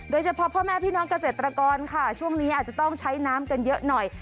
โดยเฉพาะพ่อแม่พี่น้องเกษตรกรค่ะช่วงนี้อาจจะต้องใช้น้ำกันเยอะหน่อย